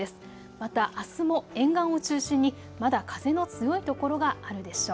またあすも沿岸を中心にまだ風の強いところがあるでしょう。